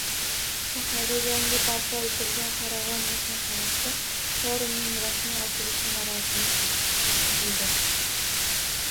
Shaharda yangi barpo etilgan “Farovon” mehmonxonasida forumning rasmiy ochilishi marosimi oʻtkazildi.